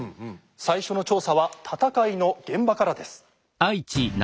最初の調査は戦いの現場からです。